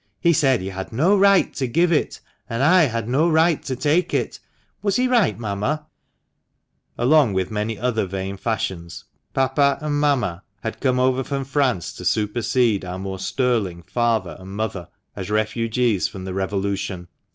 He said he had no right to give it, and I had no right to take it. Was he right, mamma ?" [Along with many other vain fashions, " papa " and " mamma " had come over from France to supersede our more sterling "father" and "mother," as refugees from the Revolution.